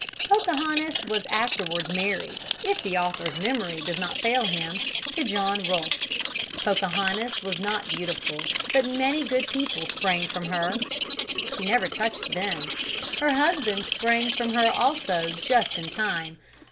Pocahontas was afterwards married, if the author's memory does not fail him, to John Rolfe. Pocahontas was not beautiful, but many good people sprang from her. She never touched them. Her husband sprang from her also just in time.